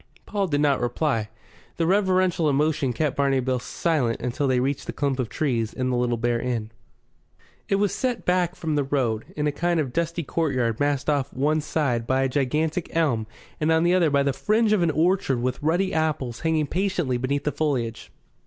Paul did not reply, and reverential emotion kept Barney Bill silent until they reached the clump of trees and the Little Bear Inn. It was set back from the road, in a kind of dusty courtyard masked off on one side by a gigantic elm and on the other by the fringe of an orchard with ruddy apples hanging patiently beneath the foliage.